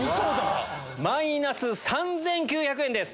マイナス３９００円です